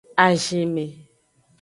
Azinme.